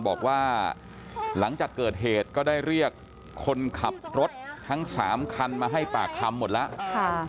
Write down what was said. บอกว่าหลังจากเกิดเหตุก็ได้เรียกคนขับรถทั้ง๓คันมาให้ปากคำหมดแล้ว